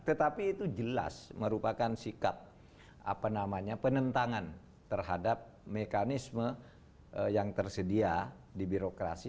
tetapi itu jelas merupakan sikap penentangan terhadap mekanisme yang tersedia di birokrasi